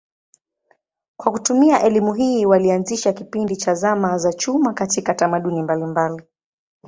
Kwa kutumia elimu hii walianzisha kipindi cha zama za chuma katika tamaduni mbalimbali.